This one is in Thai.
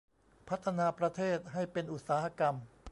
พัฒนาประเทศให้เป็นอุตสาหกรรม